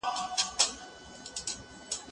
زه کولای سم اوبه وڅښم